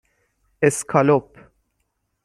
اسکالپ